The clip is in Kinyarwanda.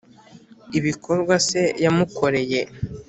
ibikorwa se yamukoreye.